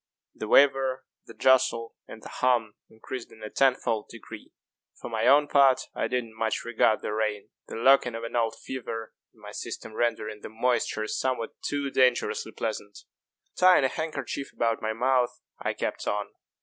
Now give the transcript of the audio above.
The waver, the jostle, and the hum increased in a tenfold degree. For my own part I did not much regard the rain the lurking of an old fever in my system rendering the moisture somewhat too dangerously pleasant. Tying a handkerchief about my mouth, I kept on.